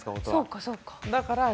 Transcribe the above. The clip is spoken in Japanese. そうかそうか。